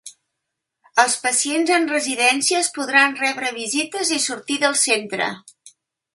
Els pacients en residències podran rebre visites i sortir del centre.